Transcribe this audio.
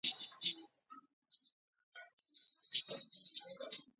خو ستونزه دا ده چې زړیږم او عمر مې ډېر شوی دی.